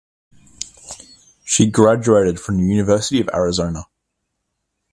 She graduated from the University of Arizona.